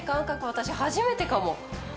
私初めてかも！